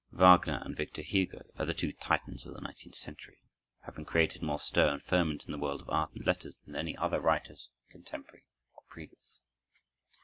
Wagner and Victor Hugo are the two Titans of the nineteenth century, having created more stir and ferment in the world of art and letters than any other writers, contemporary or previous.